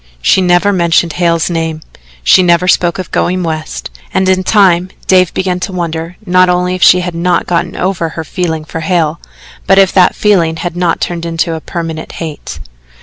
She never mentioned Hale's name, she never spoke of going West, and in time Dave began to wonder not only if she had not gotten over her feeling for Hale, but if that feeling had not turned into permanent hate.